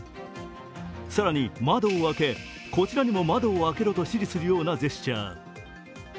更に窓を開け、こちらに窓を開けろと指示するようなジェスチャー。